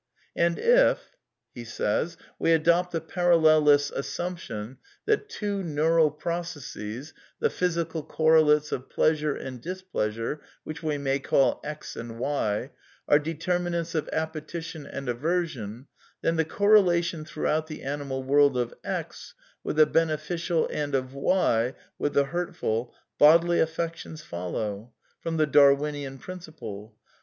..." 98 A DEFENCE OF IDEALISM And if ^we adopt the Parallelist's aasiunption that two neural proc esseSy the physical oorrelatea of pleasore and displeaauie (whidi we may call x and y) are determinantB of appetition and ayersion, then the correlation throughout the animal world of X with the beneficial and of y with the hurtful, bodily affec tions follows ••. from the Darwinian principle.